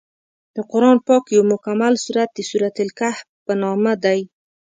د قران پاک یو مکمل سورت د سورت الکهف په نامه دی.